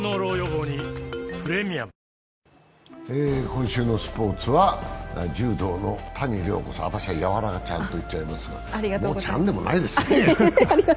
今週のスポーツは柔道の谷亮子さん、私はＹＡＷＡＲＡちゃんと言っちゃいますが、もう「ちゃん」でもないですねえ。